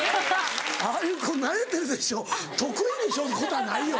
ああいう子慣れてるでしょ得意でしょってことはないよ。